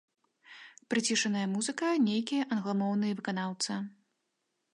Прыцішаная музыка, нейкі англамоўны выканаўца.